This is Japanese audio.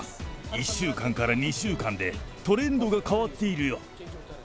１週間から２週間でトレンドが変わっているよ。